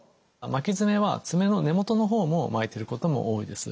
巻き爪は爪の根元の方も巻いてることも多いです。